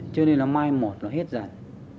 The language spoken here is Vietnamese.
cho nên nó mai mỏi nó hết rồi